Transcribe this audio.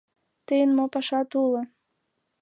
Тыйын мо пашат уло?